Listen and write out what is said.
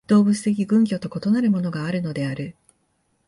動物的群居と異なるものがあるのである。